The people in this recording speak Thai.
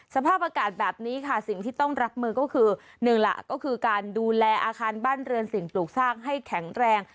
สภาพอากาศแบบนี้ค่ะสิ่งที่ต้องรับมือก็คือหนึ่งล่ะก็คือการดูแลอาคารบ้านเรือนสิ่งปลูกสร้างให้แข็งแรง